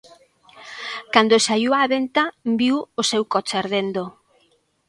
Cando saíu á ventá viu o seu coche ardendo.